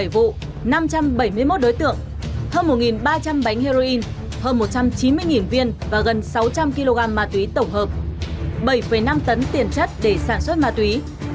một mươi vụ năm trăm bảy mươi một đối tượng hơn một ba trăm linh bánh heroin hơn một trăm chín mươi viên và gần sáu trăm linh kg ma túy tổng hợp bảy năm tấn tiền chất để sản xuất ma túy